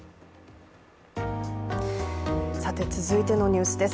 続いてのニュースです。